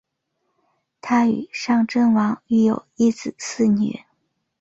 她与尚贞王育有一子四女。